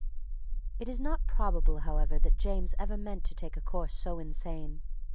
It is not probable however that James ever meant to take a course so insane.